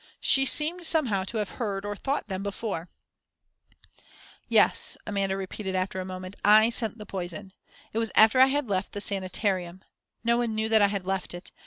She seemed somehow to have heard, or thought them, before. "Yes," Amanda repeated, after a moment, "I sent the poison. It was after I had left the sanitarium no one knew that I had left it.